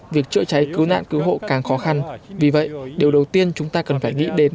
việc chữa cháy cứu nạn cứu hộ càng khó khăn vì vậy điều đầu tiên chúng ta cần phải nghĩ đến